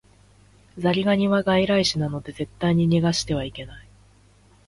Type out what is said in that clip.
ザリガニは外来種なので絶対に逃してはいけない